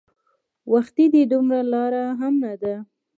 وختي دی دومره لار هم نه ده.